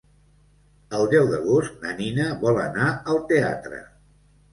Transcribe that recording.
El deu d'agost na Nina vol anar al teatre.